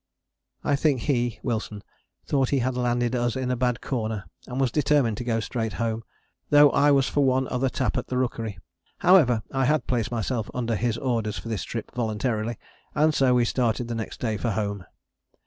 "I think he (Wilson) thought he had landed us in a bad corner and was determined to go straight home, though I was for one other tap at the Rookery. However, I had placed myself under his orders for this trip voluntarily, and so we started the next day for home."